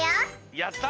やったね！